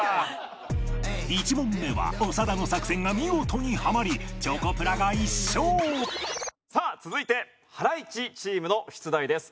１問目は長田の作戦が見事にハマりチョコプラが１勝さあ続いてハライチチームの出題です。